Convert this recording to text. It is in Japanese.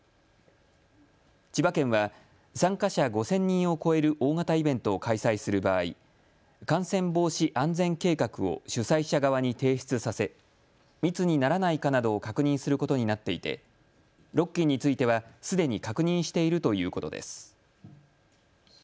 千葉県は参加者５０００人を超える大型イベントを開催する場合、感染防止安全計画を主催者側に提出させ密にならないかなどを確認することになっていてロッキンについては、すでに確認しているということです。